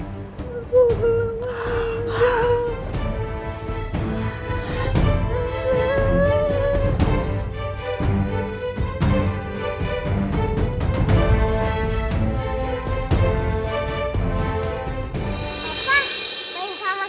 aku belum meninggal